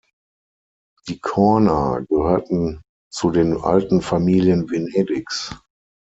Die Corner gehörten zu den alten Familien Venedigs.